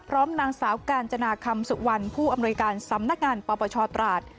พร้อมนางสาวการจนาคมสุวรรณผู้อำนวยการสำนักงานประประชอตราศ